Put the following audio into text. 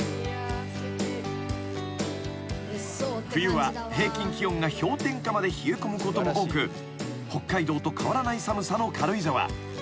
［冬は平均気温が氷点下まで冷え込むことも多く北海道と変わらない寒さの軽井沢］